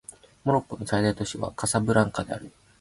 モロッコの最大都市はカサブランカである